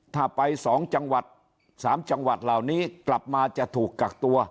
ถ้าไป๒จังหวัด๓จังหวัดเหล่านี้กลับมาจะถูกกักตัว